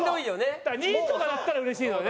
だから２位とかだったらうれしいのよね。